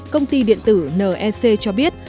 công ty điện tử nec cho biết